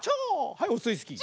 はいオスイスキー。